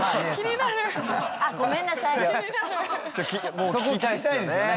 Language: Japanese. もう聞きたいですよね。